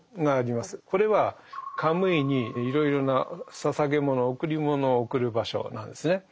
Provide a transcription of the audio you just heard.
これはカムイにいろいろな捧げ物贈り物を贈る場所なんですね。